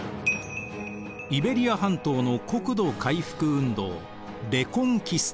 イベリア半島の国土回復運動レコンキスタ。